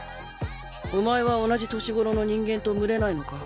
お前は同じ年頃の人間と群れないのか？